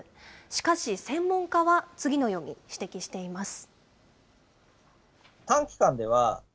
しかし、専門家は、次のように指摘しています。